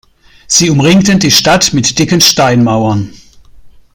Sie umringten die Stadt mit dicken Steinmauern.